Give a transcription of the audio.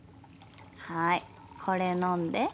はいこれ飲んで。